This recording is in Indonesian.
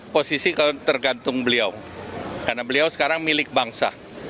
posisi tergantung beliau karena beliau sekarang milik bangsa